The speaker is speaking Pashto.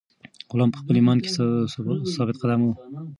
غلام په خپل ایمان کې ثابت قدم و.